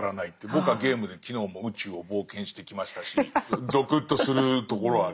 僕はゲームで昨日も宇宙を冒険してきましたしゾクッとするところはあります。